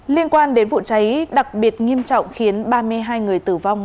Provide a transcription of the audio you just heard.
liên quan đến vụ cháy đặc biệt nghiêm trọng khiến ba mươi hai người tử vong